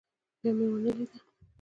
بيا مې ونه ليده.